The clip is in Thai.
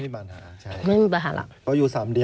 ไม่มีปัญหาหรอกก็อยู่สามเดือน